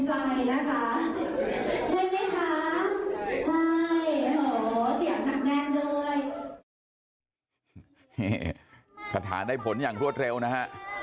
เห็นคาถาได้ผลอย่างรวดเร็วนะฮะ